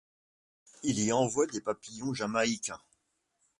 Il y envoie des papillons jamaïcains.